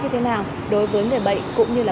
như thế nào đối với người bệnh cũng như là